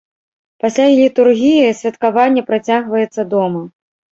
Пасля літургіі святкаванне працягваецца дома.